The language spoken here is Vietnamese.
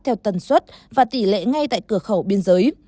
theo tần suất và tỷ lệ ngay tại cửa khẩu biên giới